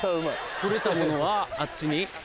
採れたものはあっちに？